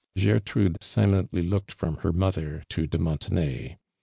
Gertrude silently lookeil from her mo ther to de Montenay.